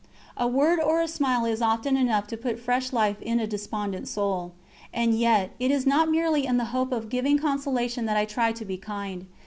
A word or a smile is often enough to put fresh life in a despondent soul. And yet it is not merely in the hope of giving consolation that I try to be kind.